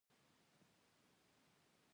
آزاد تجارت مهم دی ځکه چې قیمت رقابت کوي.